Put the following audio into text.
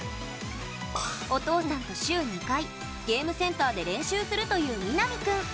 お父さんと週２回ゲームセンターで練習するというみなみ君。